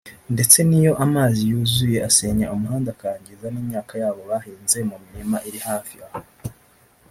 ndetse n’iyo amazi yuzuye asenya umuhanda akangiza n’imyaka yabo bahinze mu mirima iri hafi aho